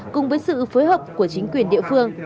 cùng với sự phối hợp của chính quyền địa phương